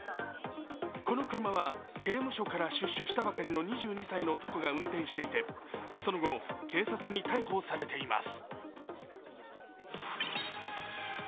この車は、刑務所から出所したばかりの２２歳の男が運転していてその後、警察に逮捕されています。